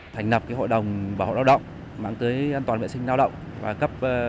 thành nập hội đồng bảo hộ lao động mang tới an toàn vệ sinh lao động